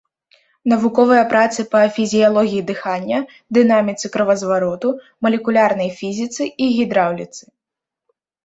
Навуковыя працы па фізіялогіі дыхання, дынаміцы кровазвароту, малекулярнай фізіцы і гідраўліцы.